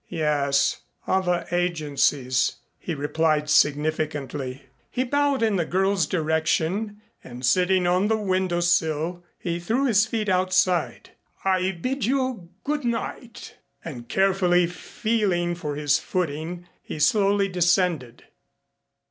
"Yes, other agencies " he replied significantly. He bowed in the girl's direction and sitting on the window sill he threw his feet outside. "I bid you good night." And carefully feeling for his footing he slowly descended.